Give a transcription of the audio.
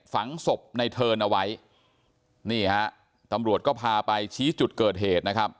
ฝังศพในเทิร์นเอาไว้นี่ฮะตำรวจก็พาไปชี้จุดเกิดเหตุนะครับ